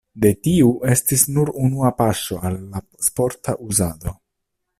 De tiu estis nur unua paŝo al la sporta uzado.